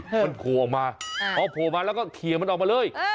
รงจิมันโผล่ออกมาพอโผล่มาแล้วเขลมันออกมาเลย